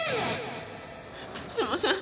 すいません。